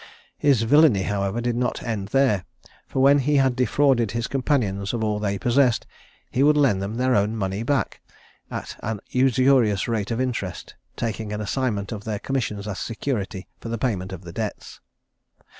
His villany, however, did not end there, for when he had defrauded his companions of all they possessed, he would lend them their own money back, at a usurious rate of interest, taking an assignment of their commissions as security for the payment of the debts.